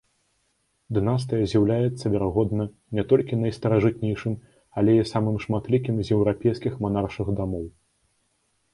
Дынастыя з'яўляецца, верагодна, не толькі найстаражытнейшым, але і самым шматлікім з еўрапейскіх манаршых дамоў.